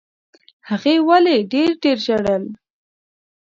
هغې ولي ډېر ډېر ژړل؟